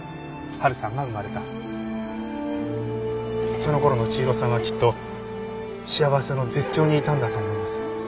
その頃の千尋さんはきっと幸せの絶頂にいたんだと思います。